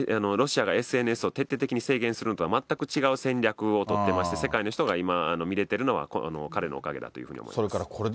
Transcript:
ロシアがＳＮＳを徹底的に戦略するのとは違う戦力を取ってまして、世界の人が今、見れてるのは、彼のおかげだというふうに思います。